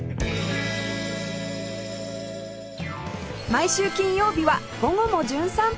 毎週金曜日は『午後もじゅん散歩』